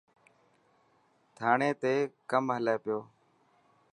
ٿانڙي تي ڪم هلي پيو.